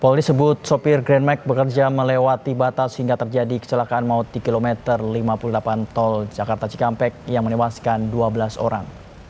pol disebut sopir grandmack bekerja melewati batas hingga terjadi kecelakaan maut di kilometer lima puluh delapan tol jakarta cikampek yang menewaskan dua belas orang